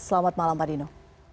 selamat malam pak dino